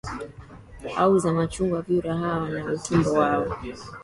au za machungwa Vyura hawa hawana utumbo wao